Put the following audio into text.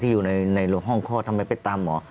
อยู่ในห้องคลอดทำไมไปตามหมอ